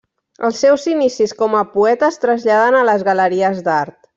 Els seus inicis com a poeta es traslladen a les galeries d'art.